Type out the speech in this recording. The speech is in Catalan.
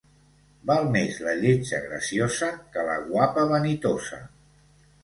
Val més la lletja graciosa que la guapa vanitosa.